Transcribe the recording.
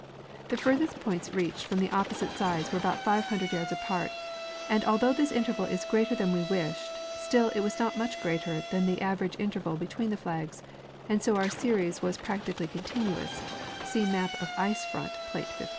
The furthest points reached from opposite sides were about 500 3^ards apart, and although this interval is greater than we wished, still it is not much greater than the average interval between tlie flags ; and so our series was y)ractically continuous (see map of ice front, })late 15).